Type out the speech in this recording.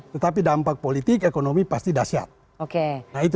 tetapi dampak politik ekonomi pasti dahsyat